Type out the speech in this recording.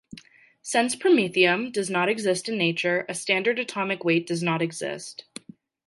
Since promethium does not exist in nature, a standard atomic weight does not exist.